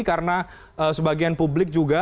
karena sebagian publik juga